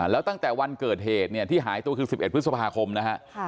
แล้วตั้งแต่วันเกิดเหตุเนี่ยที่หายตัวคือ๑๑พฤษภาคมนะฮะ